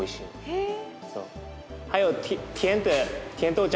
へえ。